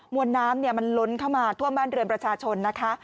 วนน้ำมันล้นเข้ามาท่วมบ้านเรือนประชาชนนะคะ